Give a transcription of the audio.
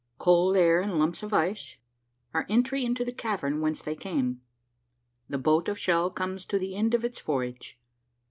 COLD AIR AND LUMPS OF ICE. — OUR ENTRY INTO THE CAVERN WHENCE THEY CAME. — THE BOAT OF SHELL COMES TO THE END OF ITS VOYAGE.